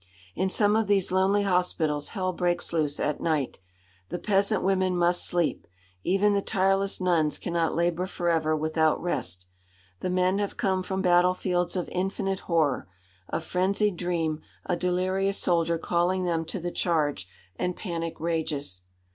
In some of these lonely hospitals hell breaks loose at night. The peasant women must sleep. Even the tireless nuns cannot labour forever without rest. The men have come from battlefields of infinite horror. A frenzied dream, a delirious soldier calling them to the charge, and panic rages.